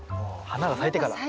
花が咲いてから。